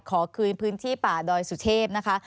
ขอคืนพื้นที่ป่าดอยสุเทพนะคะ